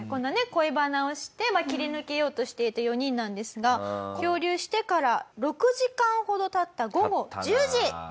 恋バナをして切り抜けようとしていた４人なんですが漂流してから６時間ほど経った午後１０時。